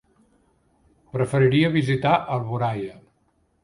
Preferiria visitar Alboraia.